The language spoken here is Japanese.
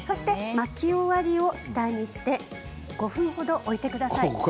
巻き終わりを下にして５分程、置いてください。